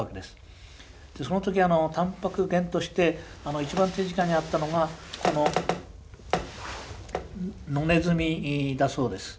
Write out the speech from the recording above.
その時あのたんぱく源として一番手近にあったのがこの野ネズミだそうです。